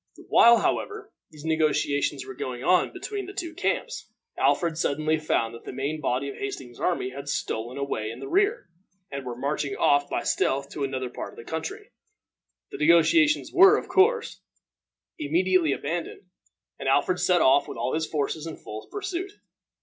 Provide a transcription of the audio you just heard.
While, however, these negotiations were going on between the two camps, Alfred suddenly found that the main body of Hastings's army had stolen away in the rear, and were marching off by stealth to another part of the country. The negotiations were, of course, immediately abandoned, and Alfred set off with all his forces in full pursuit.